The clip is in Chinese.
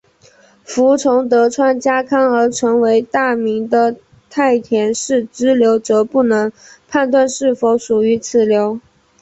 服从德川家康而成为大名的太田氏支流则不能判断是否属于此流。